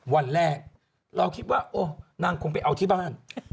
วันแรกเราคิดว่าโอ้นางคงไปเอาที่บ้าน